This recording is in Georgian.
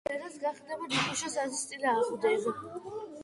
ექიმი ვერას გახდება ნიკუშას აზრის წინააღმდეგ.